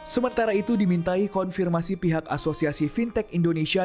sementara itu dimintai konfirmasi pihak asosiasi fintech indonesia